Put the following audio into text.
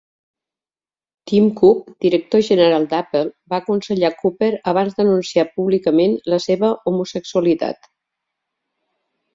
Tim Cook, director general d'Apple, va aconsellar Cooper abans d'anunciar públicament la seva homosexualitat.